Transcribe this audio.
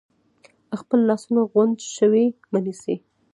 خپل لاسونه غونډ شوي مه نیسئ،